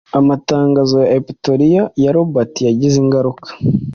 Amatangazo ya epitolary ya Robert yagize ingaruka